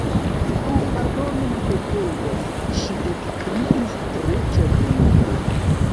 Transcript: "Ho, pardonu, mi petegas," ŝi ekkriis tre ĉagrenite.